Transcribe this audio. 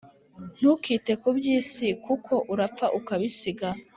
Ntukite kubyisi kuko urapfa ukabisiga